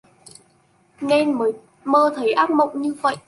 nên mới mơ thấy ác mộng như vậy